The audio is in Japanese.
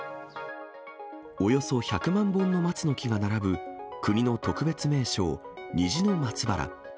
およそ１００万本の松の木が並ぶ、国の特別名勝、虹の松原。